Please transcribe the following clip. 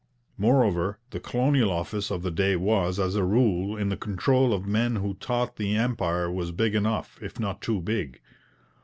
Moreover, the Colonial Office of the day was, as a rule, in the control of men who thought the Empire was big enough, if not too big.